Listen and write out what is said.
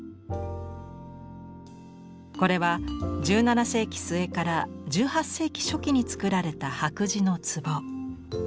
これは１７世紀末から１８世紀初期に作られた白磁の壺。